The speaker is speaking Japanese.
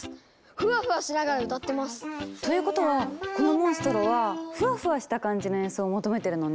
フワフワしながら歌ってます！ということはこのモンストロはフワフワした感じの演奏を求めてるのね。